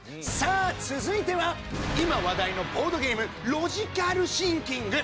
さあ続いては今話題のボードゲームロジカル真王。